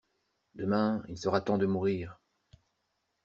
Demain, il sera temps de mourir.